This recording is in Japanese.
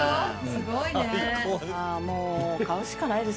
すごいね。